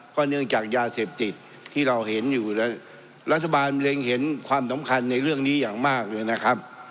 เนื่องจากยาเสพติดที่เราเห็นอยู่แล้วรัฐบาลเล็งเห็นความสำคัญในเรื่องนี้อย่างมากเลยนะครับ